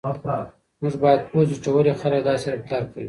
موږ باید پوه شو چې ولې خلک داسې رفتار کوي.